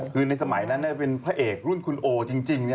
คือในสมัยนั้นเป็นพระเอกรุ่นคุณโอจริง